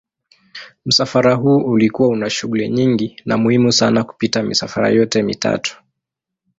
Msafara huu ulikuwa una shughuli nyingi na muhimu sana kupita misafara yote mitatu.